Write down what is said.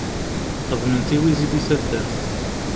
Xedmen tiwizi di taddart